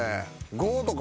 ５とか？